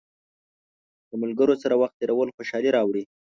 د ملګرو سره وخت تېرول خوشحالي راوړي.